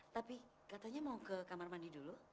tapi katanya mau ke kamar mandi dulu